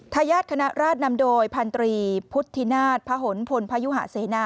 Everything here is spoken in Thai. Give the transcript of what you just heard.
ทายาศคณะราชนำโดยพันธุ์พุทธินาสพระหน๗๙พพศเทศนา